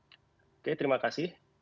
oke terima kasih